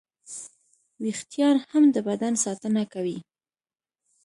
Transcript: وېښتيان هم د بدن ساتنه کوي.